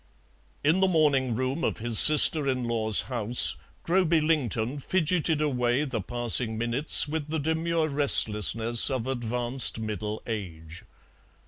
In the morning room of his sister in law's house Groby Lington fidgeted away the passing minutes with the demure restlessness of advanced middle age.